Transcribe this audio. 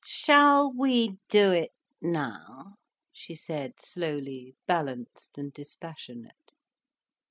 "Shall we do it now?" she said slowly, balanced and dispassionate.